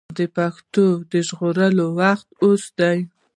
د پښتو د ژغورلو وخت اوس دی.